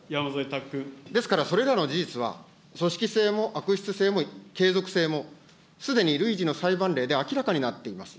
ですから、それらの事実は、組織性も悪質性も継続性も、すでに累次の裁判例で明らかになっています。